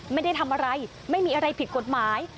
ไม่ได้ทำอะไรไม่มีอะไรผิดกฎหมาย